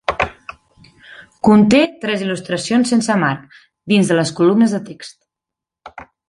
Conté tres il·lustracions sense marc dins de les columnes de text.